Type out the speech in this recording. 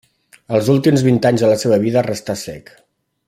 Els últims vint anys de la seva vida restà cec.